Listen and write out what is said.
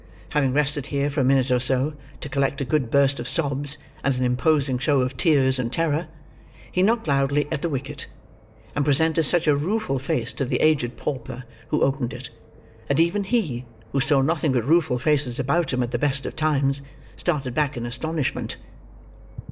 Having rested here, for a minute or so, to collect a good burst of sobs and an imposing show of tears and terror, he knocked loudly at the wicket; and presented such a rueful face to the aged pauper who opened it, that even he, who saw nothing but rueful faces about him at the best of times, started back in astonishment.